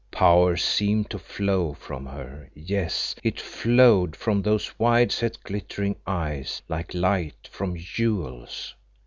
Power seemed to flow from her; yes, it flowed from those wide set, glittering eyes like light from jewels.